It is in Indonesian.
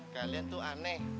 kalian tuh aneh